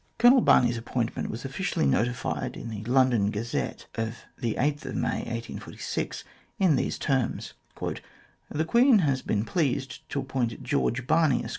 Colonel Barney's appointment was officially notified in the London Gazette of May 8, 1846, in these terms :" The Queen has been pleased to appoint George Barney, Esq.